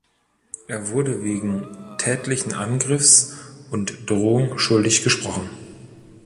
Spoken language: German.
Er wurde wegen tätlichen Angriffs und Drohung schuldig gesprochen.